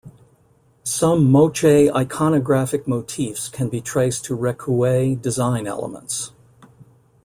Some Moche iconographic motifs can be traced to Recuay design elements.